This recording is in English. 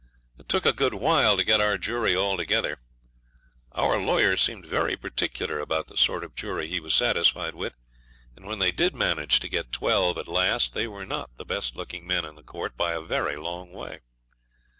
It took a good while to get our jury all together. Our lawyer seemed very particular about the sort of jury he was satisfied with; and when they did manage to get twelve at last they were not the best looking men in the court by a very long way.